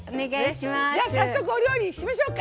早速、お料理しましょうか！